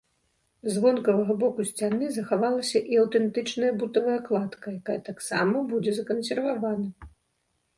З вонкавага боку сцяны захавалася і аўтэнтычная бутавая кладка, якая таксама будзе закансервавана.